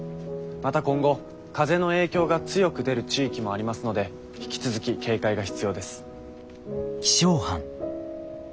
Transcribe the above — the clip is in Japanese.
また今後風の影響が強く出る地域もありますので引き続き警戒が必要です。